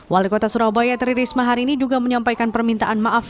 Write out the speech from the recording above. wali kota surabaya tri risma hari ini juga menyampaikan permintaan maaf